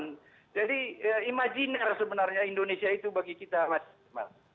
jadi imajiner sebenarnya indonesia itu bagi kita mas